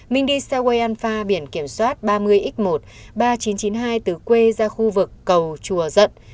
minh đi xe quay an pha biển kiểm soát ba mươi x một ba nghìn chín trăm chín mươi hai từ quê ra khu vực cầu chùa dận